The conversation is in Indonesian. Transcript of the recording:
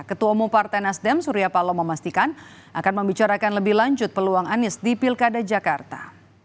ketua umum partai nasdem surya paloh memastikan akan membicarakan lebih lanjut peluang anies di pilkada jakarta